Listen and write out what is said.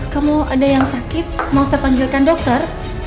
kamu ada yang sakit mau saya panggilkan dokter